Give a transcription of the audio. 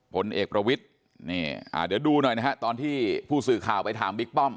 ผลเอกประวิทย์เดี๋ยวดูหน่อยนะฮะตอนที่ผู้สื่อข่าวไปถามบิ๊กป้อม